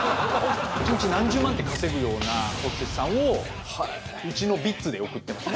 １日何十万って稼ぐようなホステスさんをうちのＶｉｔｚで送ってました。